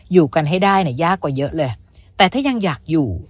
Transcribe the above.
อยู่กันให้ได้เนี่ยยากกว่าเยอะเลยแต่ถ้ายังอยากอยู่